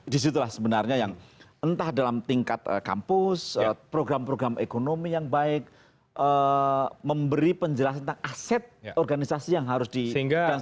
disitulah sebenarnya yang entah dalam tingkat kampus program program ekonomi yang baik memberi penjelasan tentang aset organisasi yang harus dilakukan